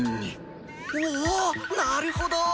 なるほど！